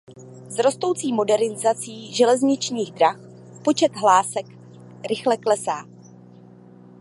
S rostoucí modernizací železničních drah počet hlásek rychle klesá.